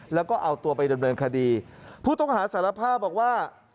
แล้วก็เอาตัวไปดำเนินคดีผู้ต้องหาสารภาพบอกว่า